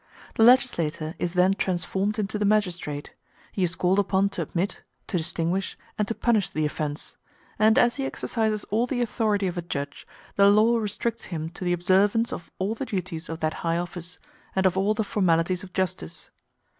The legislator is then transformed into the magistrate; he is called upon to admit, to distinguish, and to punish the offence; and as he exercises all the authority of a judge, the law restricts him to the observance of all the duties of that high office, and of all the formalities of justice.